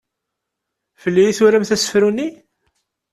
Fell-i i turamt asefru-nni?